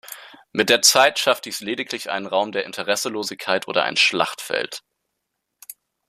Mit der Zeit schafft dies lediglich einen Raum der Interesselosigkeit oder ein Schlachtfeld.